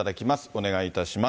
お願いいたします。